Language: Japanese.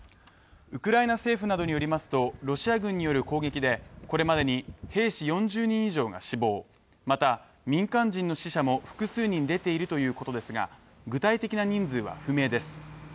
ウクライナ政府などによりますと、ロシア軍による攻撃でこれまでに兵士４０人以上が死亡、また、民間人の死者も複数人出ているということですが具体的な人数は不明です。